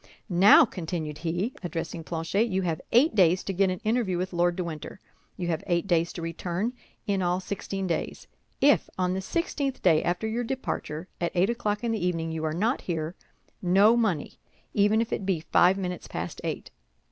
"Now," continued he, addressing Planchet, "you have eight days to get an interview with Lord de Winter; you have eight days to return—in all sixteen days. If, on the sixteenth day after your departure, at eight o'clock in the evening you are not here, no money—even if it be but five minutes past eight."